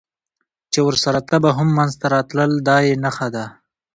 چې ورسره تبه هم منځته راتلل، دا یې نښه ده.